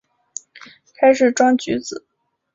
开始装橘子